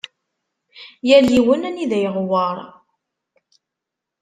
Yal yiwen anida iɣewweṛ.